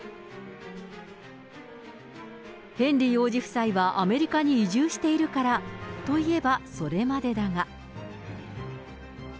ヘンリー王子夫妻はアメリカに移住しているからといえばそれまでだが。